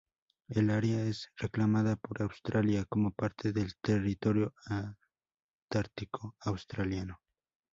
El área es reclamada por Australia como parte del Territorio Antártico Australiano.